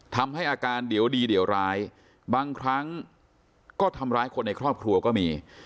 ทำให้อาการเดี๋ยวดีเดี๋ยวร้ายบางครั้งก็ทำร้ายคนในครอบครัวก็มี